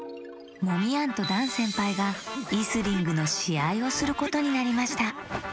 モミヤンとダンせんぱいがイスリングのしあいをすることになりました。